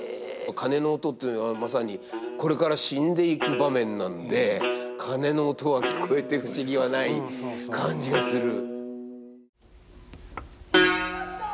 鐘の音っていうのはまさにこれから死んでいく場面なんで鐘の音は聞こえて不思議はない感じがする。